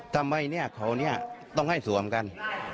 ทำไมเขาต้องให้สวมกัน